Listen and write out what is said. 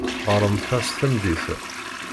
Ɣremt-as tameddit-a.